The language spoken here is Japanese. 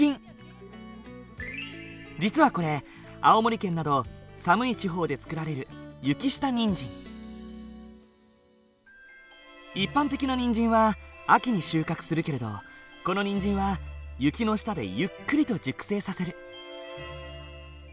実はこれ青森県など寒い地方で作られる一般的なにんじんは秋に収穫するけれどこのにんじんは雪の下でゆっくりと熟成させる。